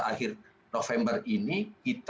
akhir november ini